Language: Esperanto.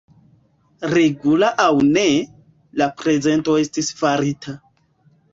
Regula aŭ ne, la prezento estis farita.